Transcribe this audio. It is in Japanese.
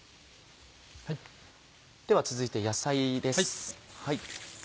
では続いて野菜です。